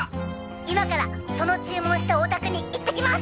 今からその注文したお宅に行ってきます！